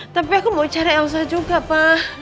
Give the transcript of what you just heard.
tapi aku mau cari elsa juga pak